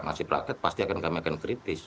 masih praktik pasti akan kami akan kritis